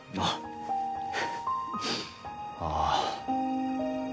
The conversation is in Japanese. ああ。